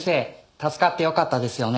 助かってよかったですよね。